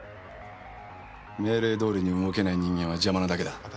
命令どおりに動けない人間は邪魔なだけだ。